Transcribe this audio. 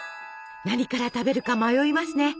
何から食べるか迷いますね。